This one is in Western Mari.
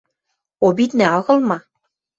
Обиднӓ агыл ма!..